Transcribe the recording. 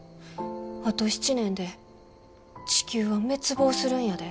あと７年で地球は滅亡するんやで。